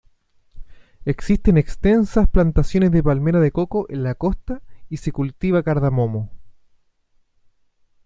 Existen extensas plantaciones de palmera de coco en la costa y se cultiva cardamomo.